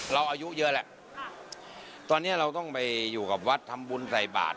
อายุเยอะแล้วตอนนี้เราต้องไปอยู่กับวัดทำบุญใส่บาท